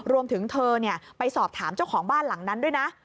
รวมถึงเธอไปสอบถามเจ้าของบ้านหลังนั้นด้วยนะ